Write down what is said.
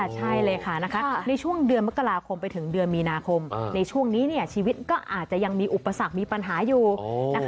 ใช่เลยค่ะในช่วงเดือนมกราคมไปถึงเดือนมีนาคมในช่วงนี้ชีวิตก็อาจจะยังมีอุปสรรคมีปัญหาอยู่นะคะ